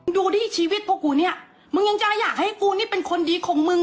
ดูดิชีวิตพวกกูเนี่ยมึงยังจะอยากให้กูนี่เป็นคนดีของมึง